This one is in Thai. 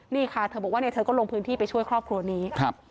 นี่ค่ะเธอบอกว่าเนี่ยเธอก็ลงพื้นที่ไปช่วยครอบครัวนี้ครับ